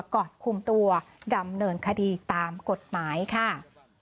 ก่อนคุมตัวดำเนินคดีตามกฎหมายค่ะ